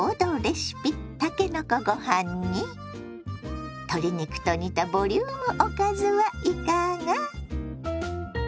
たけのこご飯に鶏肉と煮たボリュームおかずはいかが。